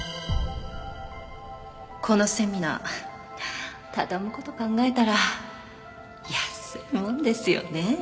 このセミナー畳む事考えたら安いもんですよね。